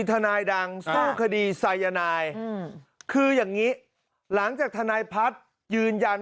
ทนายดังสู้คดีไซยานายคืออย่างนี้หลังจากทนายพัฒน์ยืนยัน